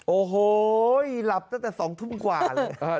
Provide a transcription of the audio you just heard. โอ้โหหลับตั้งแต่๒ทุ่มกว่าเลย